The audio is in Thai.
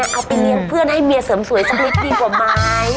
เอาไปเลี้ยงเพื่อนให้เมียเสริมสวยสำลิดดีกว่าไหม